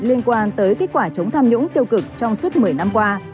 liên quan tới kết quả chống tham nhũng tiêu cực trong suốt một mươi năm qua